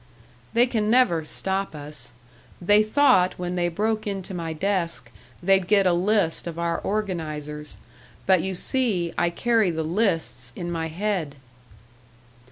"They can never stop us. They thought when they broke into my desk, they'd get a list of our organisers. But you see, I carry the lists in my head!"